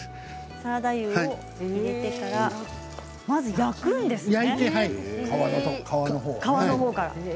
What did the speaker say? サラダ油を入れてからまず焼くんですね。